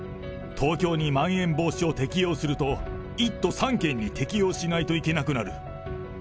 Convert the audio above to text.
東京にまん延防止を適用すると、１都３県に適用しないといけなくなる。